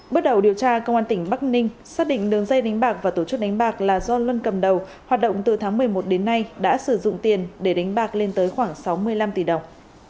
bước đầu điều tra công an tỉnh bắc ninh xác định đường dây đánh bạc và tổ chức đánh bạc là do luân cầm đầu hoạt động từ tháng một mươi một đến nay đã sử dụng tiền để đánh bạc lên tới khoảng sáu mươi năm tỷ đồng